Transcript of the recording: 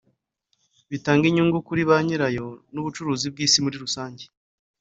bitange inyungu kuri ba nyirayo n’ubucuruzi bw’isi muri rusange